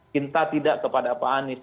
cinta tidak kepada pak anies